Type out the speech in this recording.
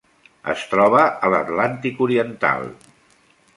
Es troba a l'Atlàntic oriental.